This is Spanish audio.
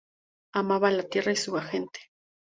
Amaba la tierra y a su gente.